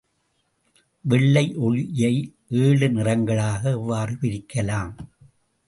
வெள்ளை ஒளியை ஏழு நிறங்களாக எவ்வாறு பிரிக்கலாம்?